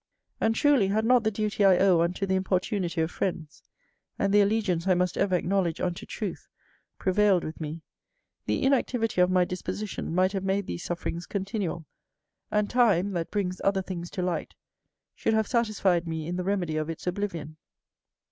And truly had not the duty I owe unto the importunity of friends, and the allegiance I must ever acknowledge unto truth, prevailed with me; the inactivity of my disposition might have made these sufferings continual, and time, that brings other things to light, should have satisfied me in the remedy of its oblivion.